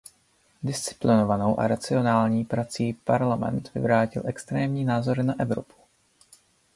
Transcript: Disciplinovanou a racionální prací Parlament vyvrátil extrémní názory na Evropu.